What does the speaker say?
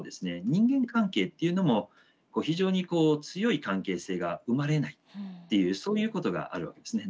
人間関係っていうのも非常にこう強い関係性が生まれないっていうそういうことがあるわけですね。